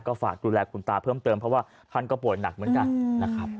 ก็ฝากดูแลคุณตาเพิ่มเติมเพราะว่าท่านก็ป่วยหนักเหมือนกันนะครับ